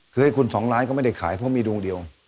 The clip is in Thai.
คือให้คุณ๒ล้านก็ไม่ได้ขายเพราะมีดวงเดียว